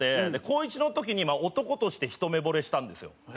高１の時に男としてひと目ぼれしたんですよ。